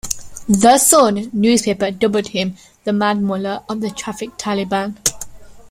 "The Sun" newspaper dubbed him the "Mad Mullah of the Traffic Taleban.